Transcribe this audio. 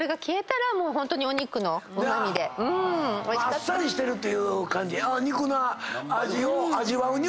あっさりしてるっていう感じ。